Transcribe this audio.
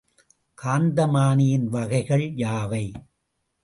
காந்தமானியின் வகைகள் யாவை?